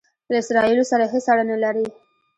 له اسراییلو سره هیڅ اړه نه لري.